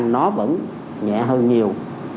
nó vẫn nhẹ hơn nhiều